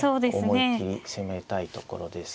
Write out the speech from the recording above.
思いっきり攻めたいところです。